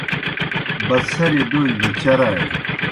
بَڅَھریْ ڈولیْ دہ چرانیْ۔